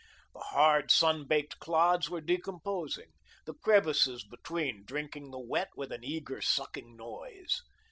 The hard, sun baked clods were decomposing, the crevices between drinking the wet with an eager, sucking noise.